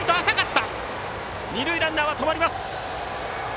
二塁ランナーは止まります。